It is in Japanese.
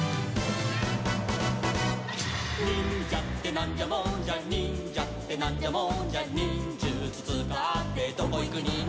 「にんじゃってなんじゃもんじゃ」「にんじゃってなんじゃもんじゃ」「にんじゅつつかってどこいくにんじゃ」